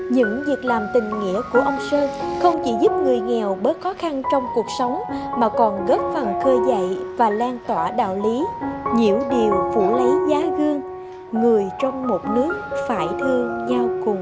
những việc làm tình nghĩa của ông sơn không chỉ giúp người nghèo bớt khó khăn trong cuộc sống mà còn góp phần khơi dậy và lan tỏa đạo lý diễu điều phủ lý giá gương người trong một nước phải thương nhau cùng